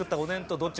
どっちだ？